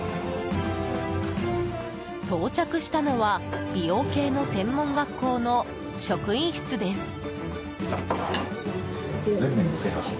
到着したのは、美容系の専門学校の職員室です。